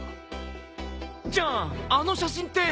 じゃああの写真って。